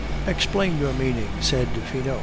"Explain your meaning," said Finot.